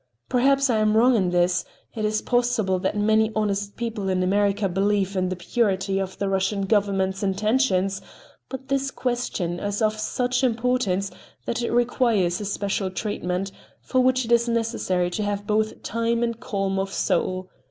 Perhaps I am wrong in this: it is possible that many honest people in America believe in the purity of the Russian Government's intentions—but this question is of such importance that it requires a special treatment, for which it is necessary to have both time and calm of soul.